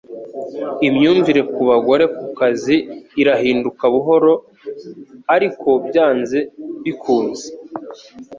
Imyumvire ku bagore ku kazi irahinduka buhoro ariko byanze bikunze